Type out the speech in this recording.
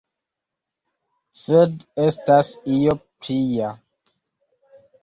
Sed estas io plia.